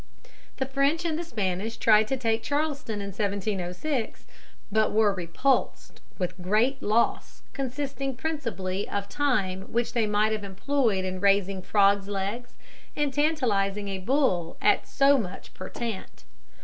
The French and Spanish tried to take Charleston in 1706, but were repulsed with great loss, consisting principally of time which they might have employed in raising frogs' legs and tantalizing a bull at so much per tant.